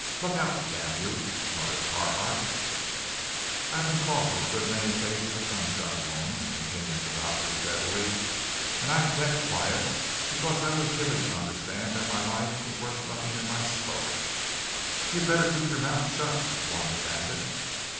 "Look out, damn you!" muttered Carhart. "I've been called to a good many cases of gunshot wounds," continued the doctor steadily, "and I've kept quiet because I was given to understand that my life was worth nothing if I spoke." "You'd better keep your mouth shut!" warned the bandit.